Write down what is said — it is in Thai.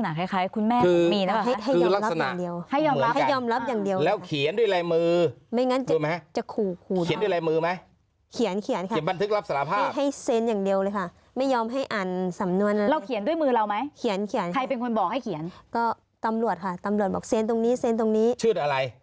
นี่เขารักษณะคล้ายคุณแม่มีนะครับค่ะ